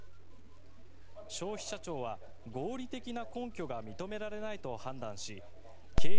消費者庁は合理的な根拠が認められないと判断し景品